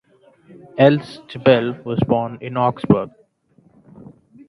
Else Gebel was born in Augsburg.